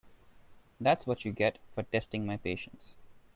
That’s what you get for testing my patience.